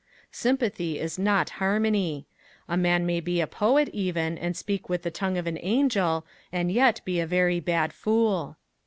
Sympathy is not harmony. A man may be a poet even, and speak with the tongue of an angel, and yet be a very bad fool.